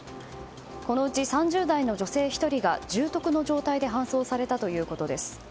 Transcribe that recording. このうち、３０代の女性１人が重篤の状態で搬送されたということです。